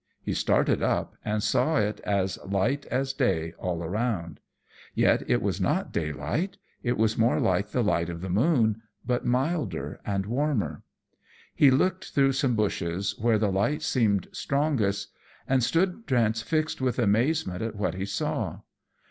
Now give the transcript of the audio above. He started up, and saw it as light as day all around. Yet it was not daylight; it was more like the light of the moon, but milder and warmer. He looked through some bushes, where the light seemed strongest, and stood transfixed with amazement at what he saw.